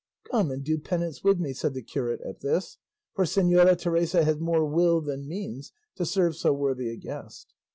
"Come and do penance with me," said the curate at this; "for Señora Teresa has more will than means to serve so worthy a guest."